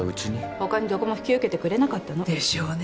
他にどこも引き受けてくれなかったの。でしょうね。